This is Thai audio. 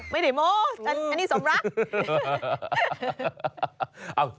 ไม่ได้โม้อันนี้สมรัก